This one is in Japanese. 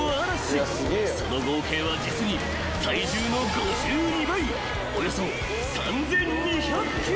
［その合計は実に体重の５２倍およそ３，２００ｋｇ］